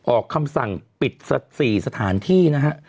ออกคำสั่งปิด๔สถานที่นะฮะ